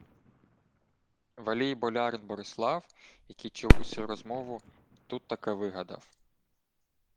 Велій болярин Борислав, який чув усю розмову, тут-таки вигадав: